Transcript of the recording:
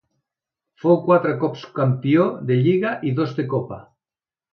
Fou quatre cops campió de lliga i dos de copa.